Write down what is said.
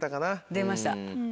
出ました。